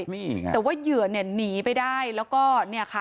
มีอีกไงแต่ว่าเหยื่อเนี่ยหนีไปได้แล้วก็เนี่ยค่ะ